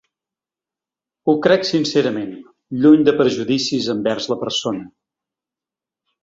Ho crec sincerament, lluny de prejudicis envers la persona.